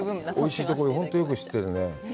おいしいところ、本当によく知ってるね。